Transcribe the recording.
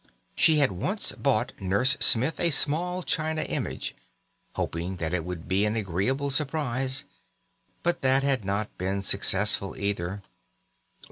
She had once brought Nurse Smith a small china image, hoping that it would be an agreeable surprise; but that had not been successful either.